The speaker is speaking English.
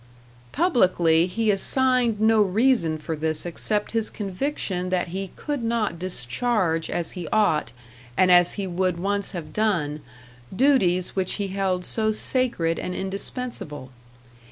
Publicly he assigned no reason for this except his conviction that he could not discharge as he ought, and as he would once have done, duties which he held so sacred and indispensable.